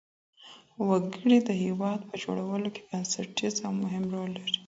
وګړي د هېواد په جوړولو کي بنسټيز او مهم رول لري.